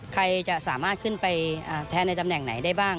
ใครจะสามารถขึ้นไปแทนในตำแหน่งไหนได้บ้าง